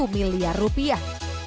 satu miliar rupiah